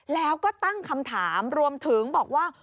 แล้วก็ตั้งคำถามรวมถึงบอกว่า